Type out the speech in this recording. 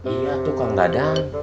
iya tuh kawan radan